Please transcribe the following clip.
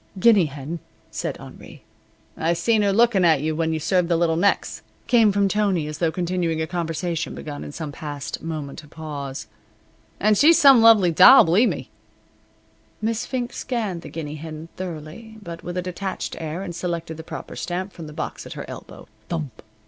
"Guinea hen," said Henri. "I seen her lookin' at you when you served the little necks," came from Tony, as though continuing a conversation begun in some past moment of pause, "and she's some lovely doll, believe me." Miss Fink scanned the guinea hen thoroughly, but with a detached air, and selected the proper stamp from the box at her elbow. Thump!